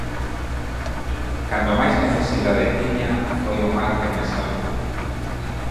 Cando máis necesidade tiña, foi o mar quen me salvou.